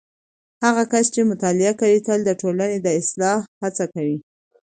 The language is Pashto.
هغه کسان چې مطالعه کوي تل د ټولنې د اصلاح هڅه کوي.